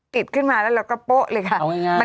ขึ้นมาแล้วเราก็โป๊ะเลยค่ะ